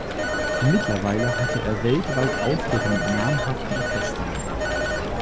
Mittlerweile hatte er weltweit Auftritte mit namhaften Orchestern.